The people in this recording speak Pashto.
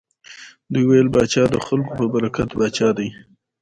دوی ویل پاچا د خلکو په برکت پاچا دی.